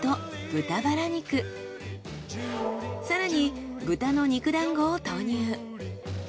更に豚の肉団子を投入。